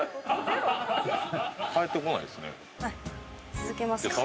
続けますか。